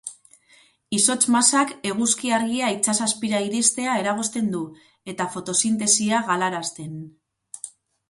Izotz masak eguzki argia itsas azpira iristea eragozten du, eta fotosintesia galarazten.